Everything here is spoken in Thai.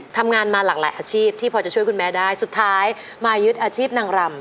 ทำงานมาหลากหลายอาชีพที่พอจะช่วยคุณแม่ได้สุดท้ายมายึดอาชีพนางรำ